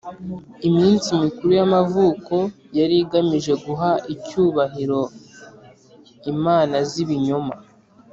Iminsi mikuru y amavuko yari igamije guha icyubahiro imana z ibinyoma